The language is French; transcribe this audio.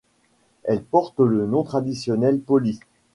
Elle porte le nom traditionnel Polis.